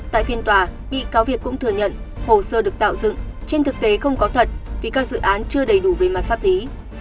tại phiên tòa bị cáo việt cũng thừa nhận hồ sơ được tạo dựng trên thực tế không có thật vì các dự án chưa đầy đủ về mặt pháp lý